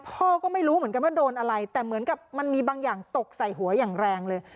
พ่อก็ไม่รู้เหมือนกันว่าโดนอะไรแต่เหมือนกับมันมีบางอย่างตกใส่หัวอย่างแรงเลย